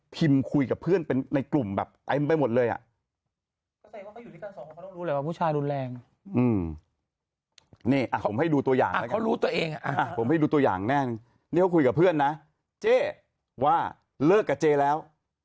เพื่อนนะเจ๊ว่าเลิกกับเจ๊แล้ว